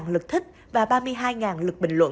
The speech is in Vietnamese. bốn mươi một lượt thích và ba mươi hai lượt bình luận